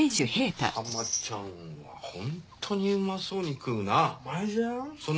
ハマちゃんは本当にうまそうに食うな。